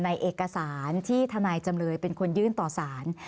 เอกสารที่ทนายจำเลยเป็นคนยื่นต่อสาร